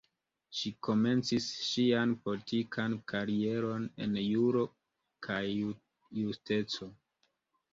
Ŝi komencis ŝian politikan karieron en Juro kaj Justeco.